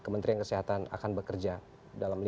kementerian kesehatan tidak akan mau bekerja sendiri